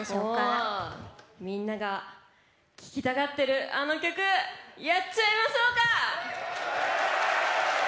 みんなが聴きたがってるあの曲、やっちゃいましょうか！